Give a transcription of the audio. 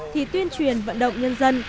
thì tuyên truyền vận động nhân dân